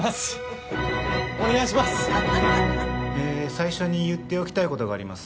最初に言っておきたい事があります。